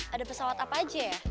ada pesawat apa aja ya